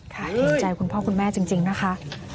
ค่ะขอบใจคุณพ่อคุณแม่จริงนะคะ